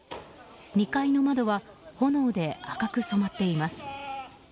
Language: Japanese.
２階の窓は炎で赤く染まっています。